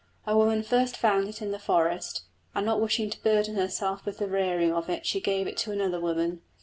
A woman first found it in the forest, and not wishing to burden herself with the rearing of it she gave it to another woman.